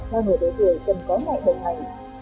và người đối tuổi cần có mẹ đồng hành